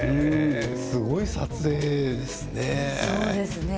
すごい撮影なんですね。